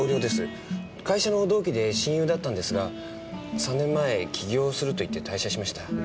会社の同期で親友だったんですが３年前起業するといって退社しました。